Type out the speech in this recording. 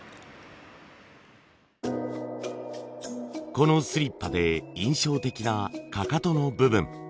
このスリッパで印象的なかかとの部分。